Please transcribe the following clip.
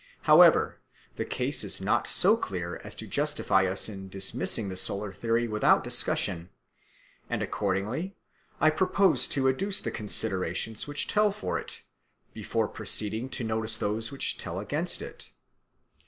However, the case is not so clear as to justify us in dismissing the solar theory without discussion, and accordingly I propose to adduce the considerations which tell for it before proceeding to notice those which tell against it.